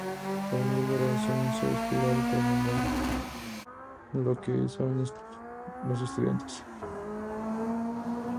Por medio de la evaluación se aspira a determinar lo que saben los estudiantes.